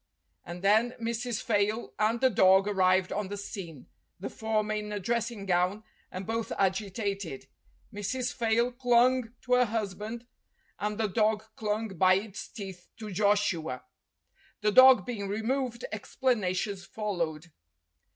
And then Mrs. Fayle and the dog arrived on the scene, the former in a dressing gown, and both agi tated. Mrs. Fayle clung to her husband, and the dog clung, by its teeth, to Joshua. The dog being removed, explanations followed.